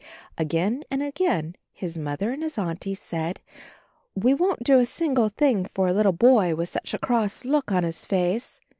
Again and again his Mother and his Auntie said, ''We won't do a single thing for a little boy with such a cross look on his face.